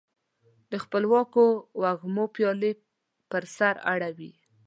د خپلواکو وږمو پیالي پر سر اړوي